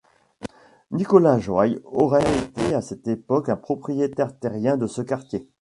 Nicolas Joye aurait été à cette époque un propriétaire terrien de ce quartier.